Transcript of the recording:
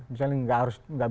misalnya gak bisa diungkapkan